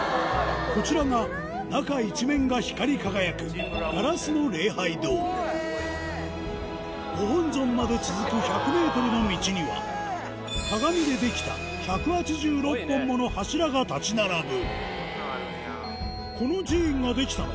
こちらが中一面が光り輝くご本尊まで続く１００ｍの道には鏡で出来た１８６本もの柱が立ち並ぶ